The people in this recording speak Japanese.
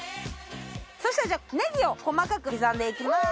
そしたらじゃあネギを細かく刻んでいきます。